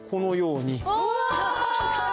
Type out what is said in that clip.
うわ！